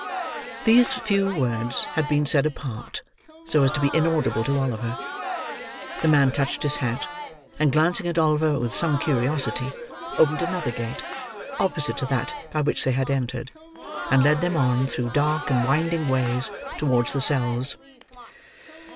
These few words had been said apart, so as to be inaudible to Oliver. The man touched his hat; and glancing at Oliver with some curiousity, opened another gate, opposite to that by which they had entered, and led them on, through dark and winding ways, towards the cells.